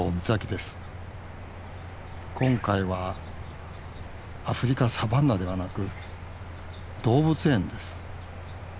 今回はアフリカサバンナではなく動物園です。